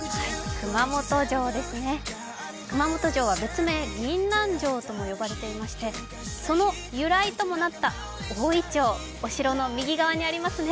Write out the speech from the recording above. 熊本城は別名銀杏城ともいわれていましてその由来ともなった大いちょう、お城の右側にありますね。